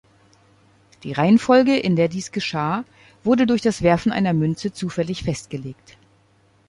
Die Reihenfolge, in der dies geschah, wurde durch das Werfen einer Münze zufällig festgelegt.